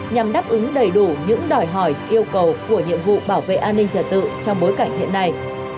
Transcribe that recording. nhằm đáp ứng đầy đủ những đòi hỏi yêu cầu của nhiệm vụ bảo vệ an ninh trật tự trong bối cảnh hiện nay